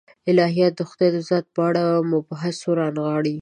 الهیات د خدای د ذات په اړه مبحثونه رانغاړي.